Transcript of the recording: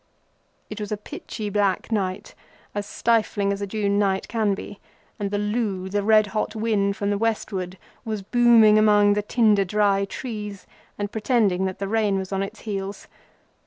It was a pitchy black night, as stifling as a June night can be, and the loo, the red hot wind from the westward, was booming among the tinder dry trees and pretending that the rain was on its heels.